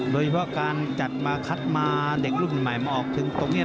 โดยเฉพาะการจัดมาคัดมาเด็กรุ่นใหม่มาออกถึงตรงนี้